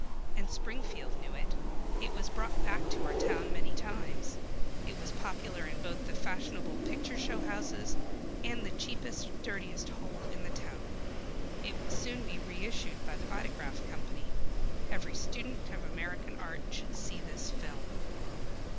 And Springfield knew it. It was brought back to our town many times. It was popular in both the fashionable picture show houses and the cheapest, dirtiest hole in the town. It will soon be reissued by the Vitagraph Company. Every student of American Art should see this film.